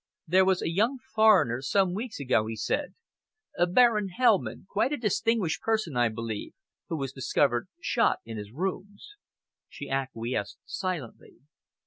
"There was a young foreigner, some weeks ago," he said "a Baron Hellman quite a distinguished person, I believe who was discovered shot in his rooms." She acquiesced silently.